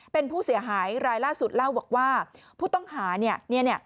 เป็นผู้เสียหายรายล่าสุดเล่าบอกว่าผู้ต้องหาเนี่ย